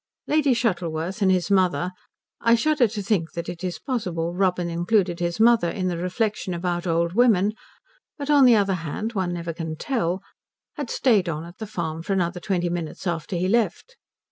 Lady Shuttleworth and his mother I shudder to think that it is possible Robin included his mother in the reflection about old women, but on the other hand one never can tell had stayed on at the farm for another twenty minutes after he left.